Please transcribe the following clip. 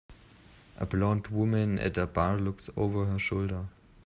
A blond woman at a bar looks over her shoulder.